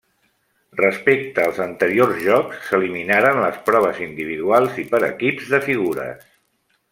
Respecte als anteriors Jocs s'eliminaren les proves individuals i per equips de figures.